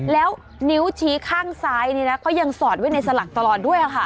แล้วนิ้วชี้ข้างซ้ายก็ยังสอดไว้ในสลักตลอดด้วยค่ะ